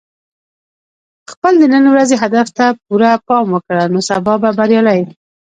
خپل د نن ورځې هدف ته پوره پام وکړه، نو سبا به بریالی یې.